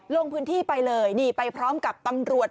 ลงพื้นที่ไปเลยนี่ไปพร้อมกับตำรวจ